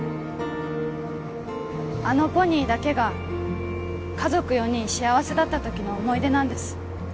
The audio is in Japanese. あのポニーだけが家族４人幸せだった時の思い出なんです